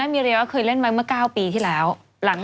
ครับเขาเคยเล่นเมื่อหนักนี้ใช่ไหม